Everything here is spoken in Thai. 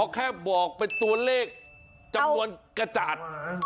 แค่บอกเป็นตัวเลขจำนวนกระจาด